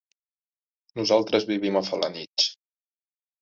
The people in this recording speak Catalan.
Nosaltres vivim a Felanitx.